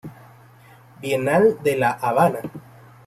Bienal de La Habana.